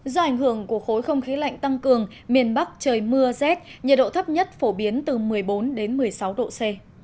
do ảnh hưởng của khối không khí lạnh tăng cường miền bắc trời mưa rét nhiệt độ thấp nhất phổ biến từ một mươi bốn đến một mươi sáu độ c